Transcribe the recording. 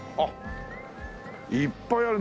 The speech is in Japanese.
いっぱいある。